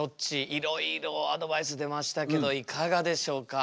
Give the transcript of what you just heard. いろいろアドバイス出ましたけどいかがでしょうか？